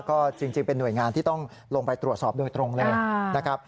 ก็จริงเป็นหน่วยงานที่ต้องลงไปตรวจสอบโดยตรงเลยนะครับ